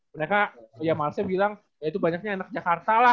mereka ya marcel bilang ya itu banyaknya anak jakarta lah